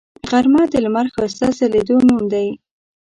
غرمه د لمر ښایسته ځلیدو نوم دی